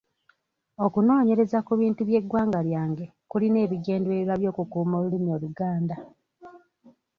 Okunoonyereza ku bintu by'eggwanga lyange kulina ebigendererwa by'okukuuma olulimi Oluganda.